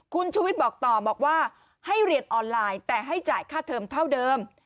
คุณชูวิทย์บอกต่อบอกว่าให้เรียนออนไลน์แต่ให้จ่ายค่าเทิมเท่าเดิม